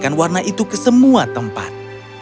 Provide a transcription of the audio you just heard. dan menyebarkan warna itu ke semua tempat